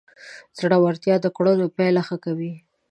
زړورتیا د کړنو پایله ښه کوي.